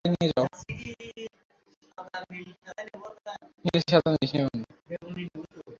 তাদের বাইরে নিয়ে যাও!